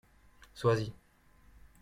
Sois-y.